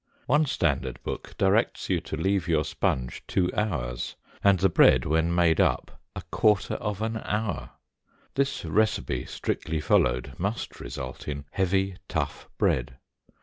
One standard book directs you to leave your sponge two hours, and the bread when made up a quarter of an hour. This recipe strictly followed must result in heavy, tough bread.